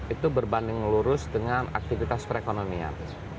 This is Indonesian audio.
itu berbanding lurus dengan aktivitas perekonomian